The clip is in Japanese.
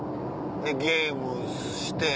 でゲームして。